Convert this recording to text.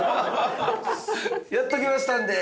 「やっときましたんで。